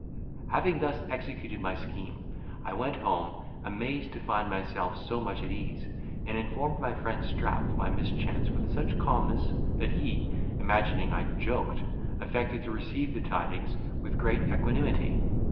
Having thus executed my scheme, I went home, amazed to find myself so much at ease, and informed my friend Strap of my mischance with such calmness, that he, imagining I joked, affected to receive the tidings with great equanimity.